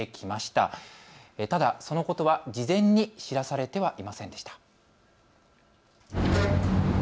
ただ、そのことは事前に知らされてはいませんでした。